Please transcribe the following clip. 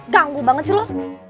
ganggu banget sih lo